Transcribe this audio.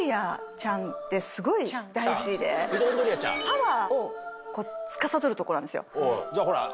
パワーをつかさどるとこなんですよ。